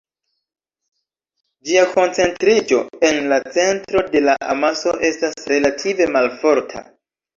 Ĝia koncentriĝo en la centro de la amaso estas relative malforta.